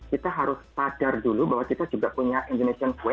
kita harus sadar dulu bahwa kita juga punya indonesian kue